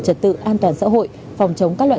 trật tự an toàn xã hội phòng chống các loại